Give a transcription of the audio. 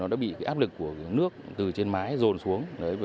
nó bị áp lực của nước từ trên mái rồn xuống